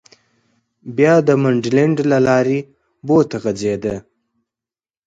بیا د منډلنډ له لارې بو ته غځېده.